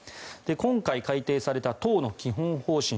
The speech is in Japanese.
今回、改定された党の基本方針